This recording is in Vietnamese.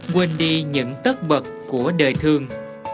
quên đi những tất bật của đời thương